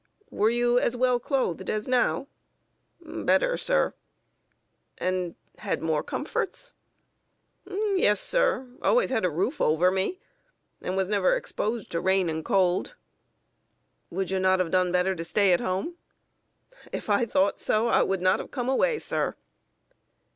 "Were you as well clothed as now?" "Better, sir." "And had more comforts?" "Yes, sir; always had a roof over me, and was never exposed to rain and cold." "Would you not have done better to stay at home?" "If I had thought so, I should not have come away, sir."